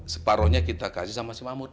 separohnya kita kasih sama si mamut